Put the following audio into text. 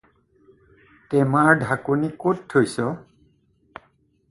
টেমাৰ ঢাকনী ক'ত থৈছ?